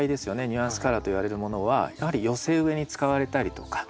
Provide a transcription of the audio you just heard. ニュアンスカラーといわれるものはやはり寄せ植えに使われたりとか。